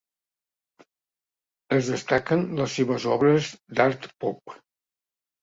Es destaquen les seves obres d'art pop.